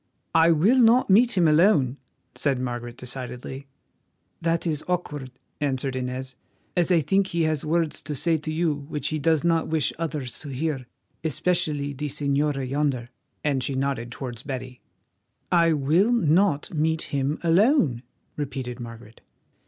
"I will not meet him alone," said Margaret decidedly. "That is awkward," answered Inez, "as I think he has words to say to you which he does not wish others to hear, especially the señora yonder," and she nodded towards Betty. "I will not meet him alone," repeated Margaret.